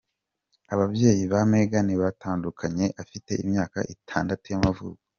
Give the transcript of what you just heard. Ababyeyi ba Meghan batandukanye afite imyaka itandatu y’amavuko.